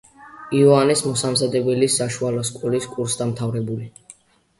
იოანეს მოსამზადებელი საშუალო სკოლის კურსდამთავრებული.